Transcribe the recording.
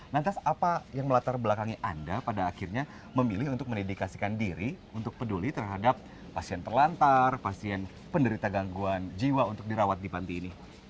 lantas apa yang melatar belakangi anda pada akhirnya memilih untuk mendedikasikan diri untuk peduli terhadap pasien terlantar pasien penderita gangguan jiwa untuk dirawat di panti ini